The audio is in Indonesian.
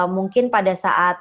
mungkin pada saat